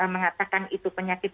mengatakan itu penyakit